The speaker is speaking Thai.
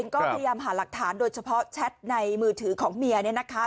ก็ลบแชทในมือถือของเมียเนี่ยนะคะ